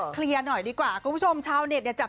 เคลียร์หน่อยดีกว่าคุณผู้ชมชาวเน็ตเนี่ยจับ